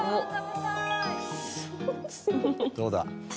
どうだ？